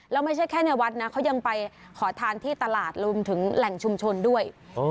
แล้วไม่ใช่แค่ในวัดนะเขายังไปขอทานที่ตลาดรวมถึงแหล่งชุมชนด้วย